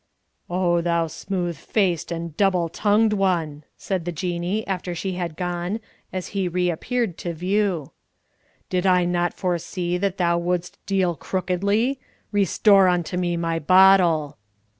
"O thou smooth faced and double tongued one!" said the Jinnee, after she had gone, as he reappeared to view. "Did I not foresee that thou wouldst deal crookedly? Restore unto me my bottle!"